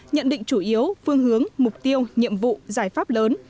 nhận định chủ yếu phương hướng mục tiêu nhiệm vụ giải pháp lớn